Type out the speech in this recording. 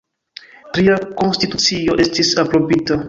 Tria konstitucio estis aprobita.